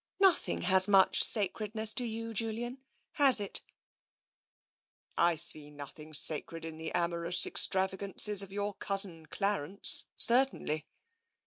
Nothing has much sacredness to you, Julian, has it ?"" I see nothing sacred in the amorous extravagances of your cousin Clarence, certainly."